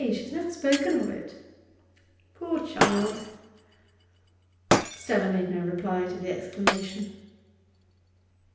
She has never spoken of it.' 'Poor child!' Stella made no reply to the exclamation.